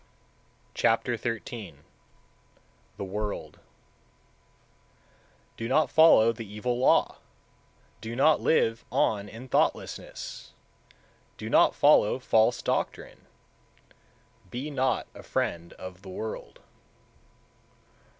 Chapter XIII. The World 167. Do not follow the evil law! Do not live on in thoughtlessness! Do not follow false doctrine! Be not a friend of the world.